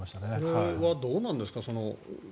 これはどうなんですか？